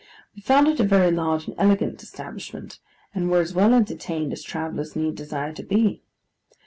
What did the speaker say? We found it a very large and elegant establishment, and were as well entertained as travellers need desire to be.